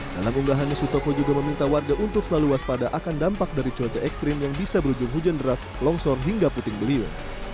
dalam unggahannya sutopo juga meminta warga untuk selalu waspada akan dampak dari cuaca ekstrim yang bisa berujung hujan deras longsor hingga puting beliung